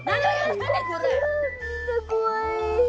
みんな怖い。